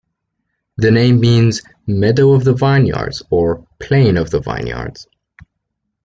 The name means "meadow of the vineyards" or "plain of the vineyards.